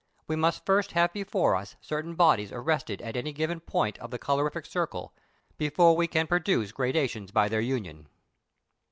We must first have before us certain bodies arrested at any given point of the colorific circle, before we can produce gradations by their union.